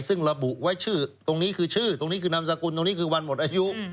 ซึ่งระบุไว้ชื่อตรงนี้คือชื่อตรงนี้คือนามสกุลตรงนี้คือวันหมดอายุ